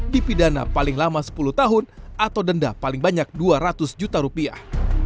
dipidana paling lama sepuluh tahun atau denda paling banyak dua ratus juta rupiah